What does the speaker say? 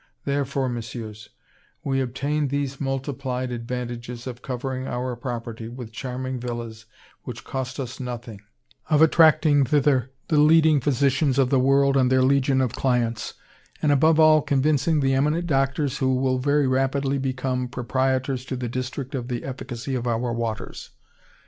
Therefore, Messieurs, we obtain these multiplied advantages of covering our property with charming villas which cost us nothing, of attracting thither the leading physicians of the world and their legion of clients, and above all of convincing the eminent doctors who will very rapidly become proprietors in the district of the efficacy of our waters.